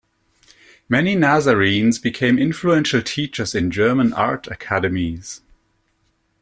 Many Nazarenes became influential teachers in German art academies.